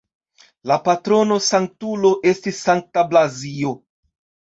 La patrono-sanktulo estis Sankta Blazio.